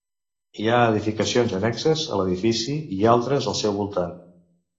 Hi ha edificacions annexes a l'edifici i altres al seu voltant.